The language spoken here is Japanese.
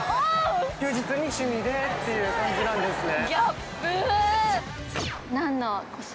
休日に趣味でっていう感じなんですね